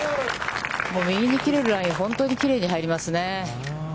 右に切れるラインは、本当にきれいに入りますね。